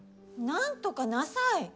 なんとかなさい！